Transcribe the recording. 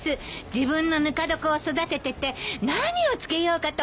自分のぬか床を育ててて何を漬けようかと思って。